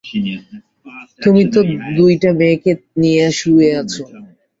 তুমি তো দুইটা মেয়েকে নিয়ে শুয়ে আছ।